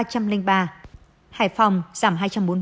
hải phòng giảm hai trăm bốn mươi bốn